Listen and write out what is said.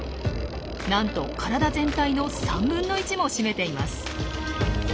なんと体全体の３分の１も占めています。